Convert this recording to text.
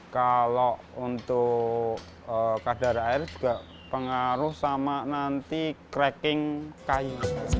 kalau untuk kadar air juga pengaruh sama nanti crecking kayu